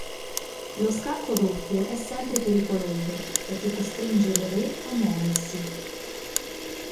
Lo scacco doppio è sempre pericoloso perché costringe il re a muoversi.